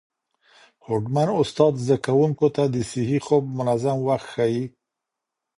هوډمن استاد زده کوونکو ته د صحي خوب منظم وخت ښيي.